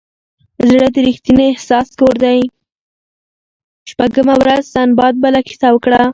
شپږمه ورځ سنباد بله کیسه وکړه.